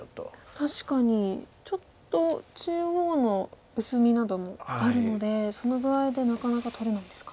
確かにちょっと中央の薄みなどもあるのでその具合でなかなか取れないんですか。